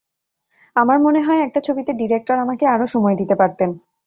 আমার মনে হয়, একটা ছবিতে ডিরেক্টর আমাকে আরও সময় দিতে পারতেন।